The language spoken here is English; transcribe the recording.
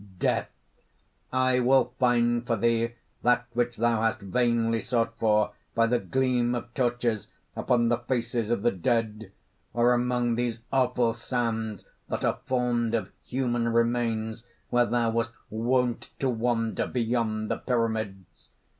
DEATH. "I will find for thee that which thou hast vainly sought for, by the gleam of torches, upon the faces of the dead, or among those awful sands that are formed of human remains, where thou wast wont to wander beyond the Pyramids.